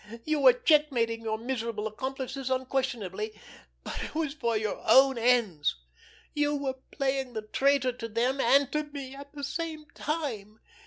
You were checkmating your miserable accomplices unquestionably—but it was for your own ends! You were playing the traitor to them and to me at the same time.